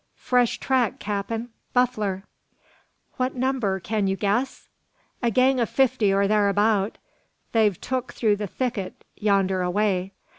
"Fresh track, cap'n; buffler!" "What number; can you guess?" "A gang o' fifty or tharabout. They've tuk through the thicket yander away.